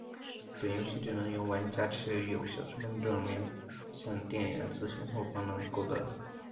本游戏只能由玩家持有效身份证明向店员询问后方能购得。